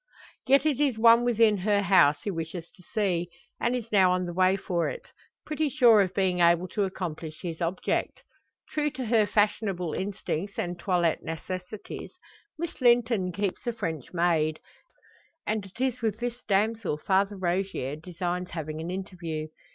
Yet it is one within her house he wishes to see, and is now on the way for it, pretty sure of being able to accomplish his object. True to her fashionable instincts and toilette necessities, Miss Linton keeps a French maid, and it is with this damsel Father Rogier designs having an interview.